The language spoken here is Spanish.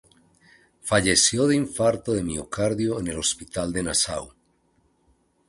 Falleció de infarto de miocardio en el hospital de Nasáu.